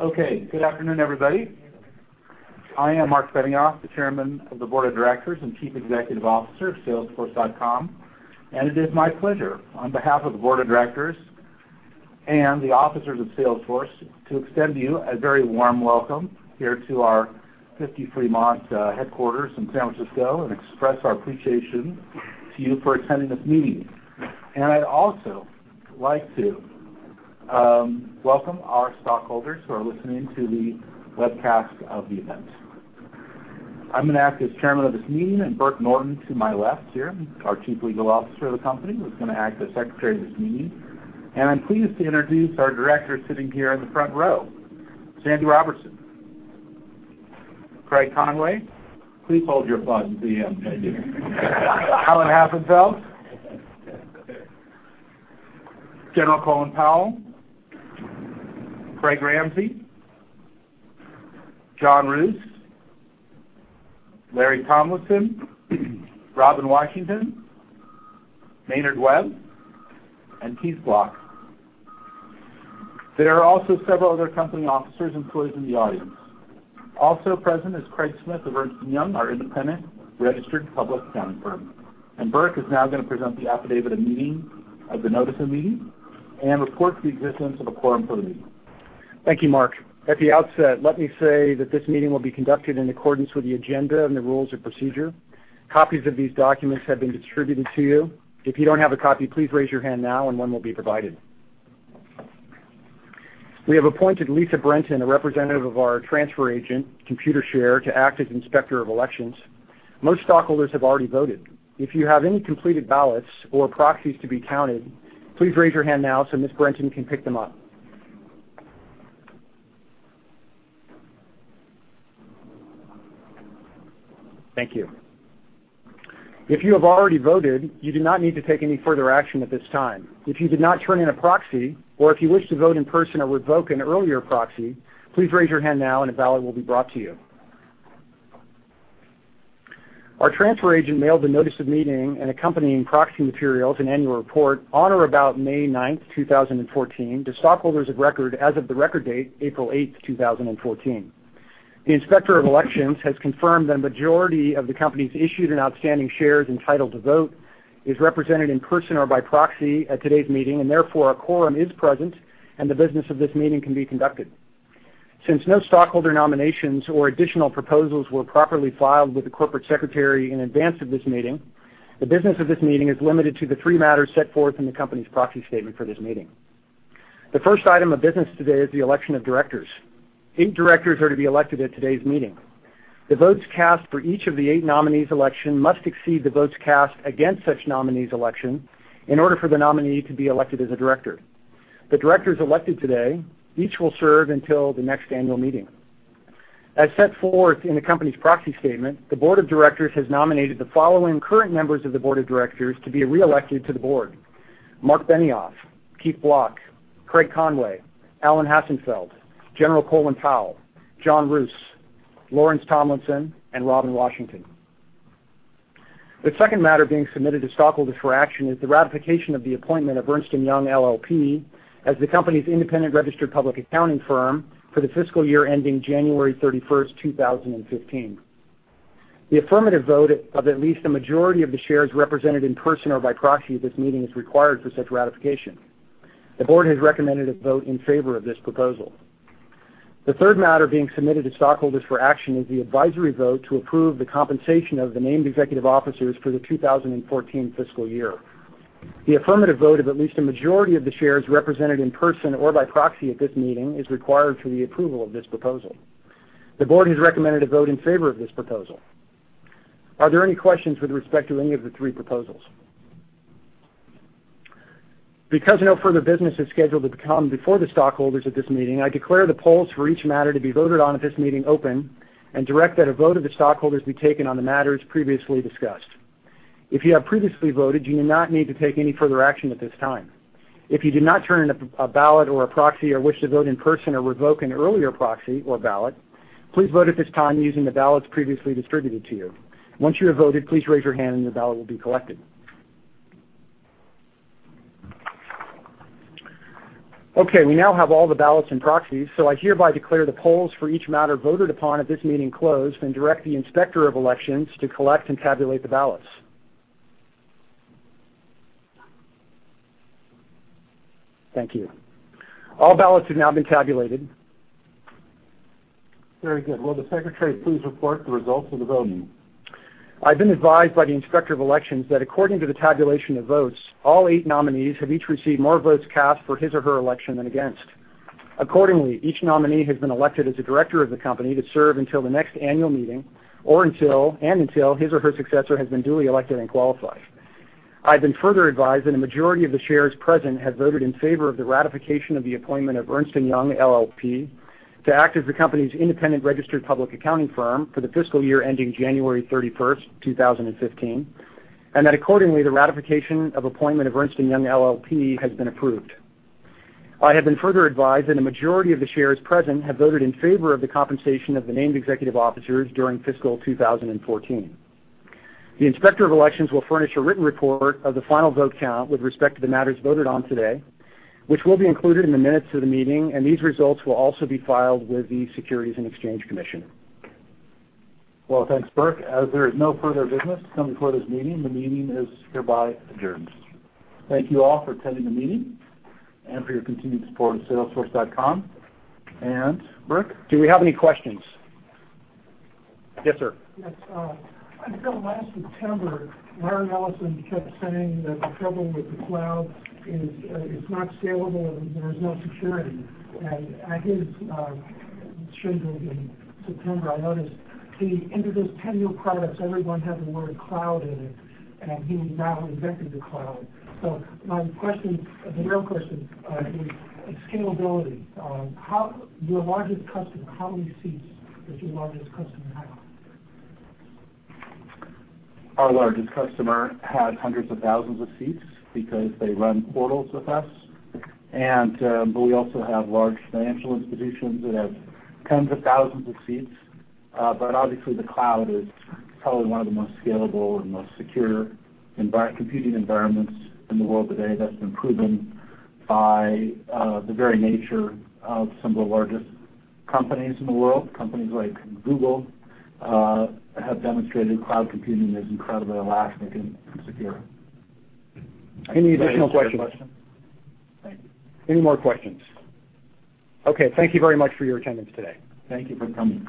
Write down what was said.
Okay, good afternoon, everybody. I am Marc Benioff, the Chairman of the Board of Directors and Chief Executive Officer of Salesforce.com, and it is my pleasure, on behalf of the Board of Directors and the officers of Salesforce, to extend to you a very warm welcome here to our 50 Fremont headquarters in San Francisco and express our appreciation to you for attending this meeting. I'd also like to welcome our stockholders who are listening to the webcast of the event. I'm going to act as chairman of this meeting, and Burke Norton to my left here, our chief legal officer of the company, is going to act as secretary of this meeting. I'm pleased to introduce our directors sitting here in the front row, Sandy Robertson, Craig Conway. Please hold your applause until the end, thank you. Alan Hassenfeld, General Colin Powell, Craig Ramsey, John Roos, Lawrence Tomlinson, Robin Washington, Maynard Webb, and Keith Block. There are also several other company officers and employees in the audience. Also present is Craig Smith of Ernst & Young, our independent registered public accounting firm. Burke is now going to present the affidavit of meaning of the notice of meeting and report the existence of a quorum for the meeting. Thank you, Marc. At the outset, let me say that this meeting will be conducted in accordance with the agenda and the rules of procedure. Copies of these documents have been distributed to you. If you don't have a copy, please raise your hand now and one will be provided. We have appointed Lisa Brenton, a representative of our transfer agent, Computershare, to act as Inspector of Elections. Most stockholders have already voted. If you have any completed ballots or proxies to be counted, please raise your hand now so Ms. Brenton can pick them up. Thank you. If you have already voted, you do not need to take any further action at this time. If you did not turn in a proxy, or if you wish to vote in person or revoke an earlier proxy, please raise your hand now and a ballot will be brought to you. Our transfer agent mailed the notice of meeting and accompanying proxy materials and annual report on or about May 9th, 2014, to stockholders of record as of the record date, April 8th, 2014. The Inspector of Elections has confirmed that a majority of the company's issued and outstanding shares entitled to vote is represented in person or by proxy at today's meeting, therefore, a quorum is present, and the business of this meeting can be conducted. Since no stockholder nominations or additional proposals were properly filed with the corporate secretary in advance of this meeting, the business of this meeting is limited to the three matters set forth in the company's proxy statement for this meeting. The first item of business today is the election of directors. Eight directors are to be elected at today's meeting. The votes cast for each of the eight nominees' election must exceed the votes cast against such nominee's election in order for the nominee to be elected as a director. The directors elected today, each will serve until the next annual meeting. As set forth in the company's proxy statement, the board of directors has nominated the following current members of the board of directors to be reelected to the board, Marc Benioff, Keith Block, Craig Conway, Alan Hassenfeld, General Colin Powell, John Roos, Lawrence Tomlinson, and Robin Washington. The second matter being submitted to stockholders for action is the ratification of the appointment of Ernst & Young LLP as the company's independent registered public accounting firm for the fiscal year ending January 31, 2015. The affirmative vote of at least a majority of the shares represented in person or by proxy at this meeting is required for such ratification. The board has recommended a vote in favor of this proposal. The third matter being submitted to stockholders for action is the advisory vote to approve the compensation of the named executive officers for the 2014 fiscal year. The affirmative vote of at least a majority of the shares represented in person or by proxy at this meeting is required for the approval of this proposal. The board has recommended a vote in favor of this proposal. Are there any questions with respect to any of the three proposals? No further business is scheduled to come before the stockholders at this meeting, I declare the polls for each matter to be voted on at this meeting open and direct that a vote of the stockholders be taken on the matters previously discussed. If you have previously voted, you do not need to take any further action at this time. If you did not turn in a ballot or a proxy or wish to vote in person or revoke an earlier proxy or ballot, please vote at this time using the ballots previously distributed to you. Once you have voted, please raise your hand and your ballot will be collected. Okay, we now have all the ballots and proxies. I hereby declare the polls for each matter voted upon at this meeting closed and direct the Inspector of Elections to collect and tabulate the ballots. Thank you. All ballots have now been tabulated. Very good. Will the secretary please report the results of the voting? I've been advised by the Inspector of Elections that according to the tabulation of votes, all eight nominees have each received more votes cast for his or her election than against. Accordingly, each nominee has been elected as a director of the company to serve until the next annual meeting, and until his or her successor has been duly elected and qualified. I've been further advised that a majority of the shares present have voted in favor of the ratification of the appointment of Ernst & Young LLP to act as the company's independent registered public accounting firm for the fiscal year ending January 31st, 2015, and that accordingly, the ratification of appointment of Ernst & Young LLP has been approved. I have been further advised that a majority of the shares present have voted in favor of the compensation of the named executive officers during fiscal 2014. The Inspector of Elections will furnish a written report of the final vote count with respect to the matters voted on today, which will be included in the minutes of the meeting. These results will also be filed with the Securities and Exchange Commission. Well, thanks, Burke. As there is no further business to come before this meeting, the meeting is hereby adjourned. Thank you all for attending the meeting and for your continued support of Salesforce.com. Burke? Do we have any questions? Yes, sir. Yes. Until last September, Larry Ellison kept saying that the trouble with the cloud is, it's not scalable, and there's no security. At his schedule in September, I noticed he introduced 10 new products. Every one had the word cloud in it, and he now invented the cloud. My question, the real question, is scalability. Your largest customer, how many seats does your largest customer have? Our largest customer has hundreds of thousands of seats because they run portals with us. We also have large financial institutions that have tens of thousands of seats. Obviously, the cloud is probably one of the most scalable and most secure computing environments in the world today. That's been proven by the very nature of some of the largest companies in the world. Companies like Google have demonstrated cloud computing is incredibly elastic and secure. Any additional questions? Thank you. Any more questions? Okay. Thank you very much for your attendance today. Thank you for coming.